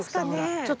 ちょっと。